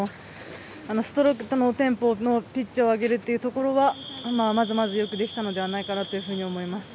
ストロークのテンポのピッチを上げるというところはまずまずよくできたのではないかなと思います。